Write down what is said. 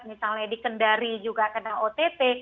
misalnya di kendari juga kena ott